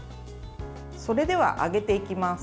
それでは揚げていきます。